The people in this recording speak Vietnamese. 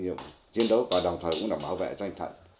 nhiều chiến đấu và đồng thời cũng là bảo vệ cho anh thận